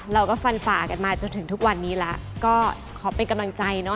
เราก็ฟันฝ่ากันมาจนถึงทุกวันนี้แล้วก็ขอเป็นกำลังใจเนาะ